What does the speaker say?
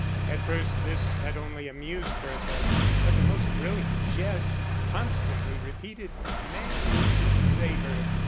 At first this had only amused Bertha, but the most brilliant jest, constantly repeated, may lose its savour.